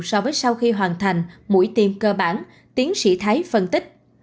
so với sau khi hoàn thành mũi tiêm cơ bản tiến sĩ thái phân tích